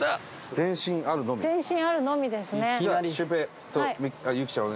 前進あるのみですね。